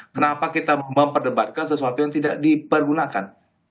kenapa kita memperdebatkan sesuatu yang tidak dipergunakan